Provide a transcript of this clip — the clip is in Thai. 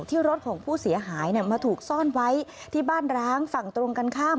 ที่รถของผู้เสียหายมาถูกซ่อนไว้ที่บ้านร้างฝั่งตรงกันข้าม